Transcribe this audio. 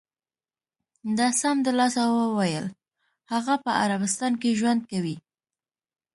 ده سمدلاسه و ویل: هغه په عربستان کې ژوند کوي.